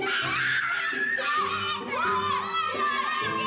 apa kak laura